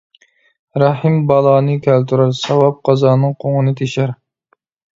رەھىم بالانى كەلتۈرەر، ساۋاب قازاننىڭ قوڭىنى تېشەر.